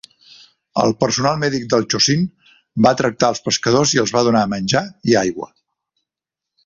El personal mèdic del "Chosin" va tractar els pescadors i els va donar menjar i aigua.